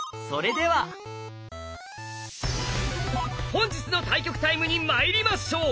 本日の対局タイムにまいりましょう！